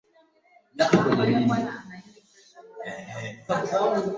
ni uchaguzi baada ya zoezi hilo lililoanza jana